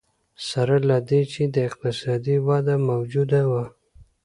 سره له دې چې اقتصادي وده موجوده وه.